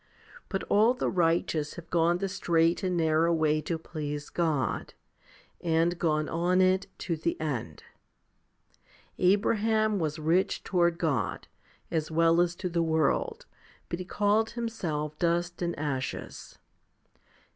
But all the righteous have gone the straight and narrow way to please God, and gone on it to the end. Abraham was rich toward God, as well as to the world, but he called himself dust and ashes.'